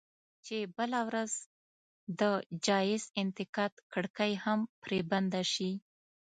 چې بله ورځ د جايز انتقاد کړکۍ هم پرې بنده شي.